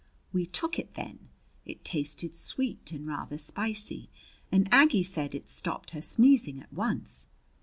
We took it then. It tasted sweet and rather spicy, and Aggie said it stopped her sneezing at once.